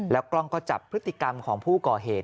กล้องก็จับพฤติกรรมของผู้ก่อเหตุ